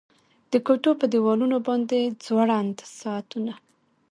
د کوټو په دیوالونو باندې ځوړند ساعتونه